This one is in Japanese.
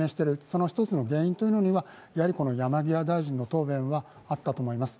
その１つの原因は、山際大臣の答弁があったと思います。